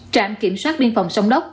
trạm kiểm soát biên phòng sông đốc